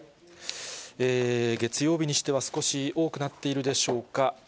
月曜日にしては少し多くなっているでしょうか。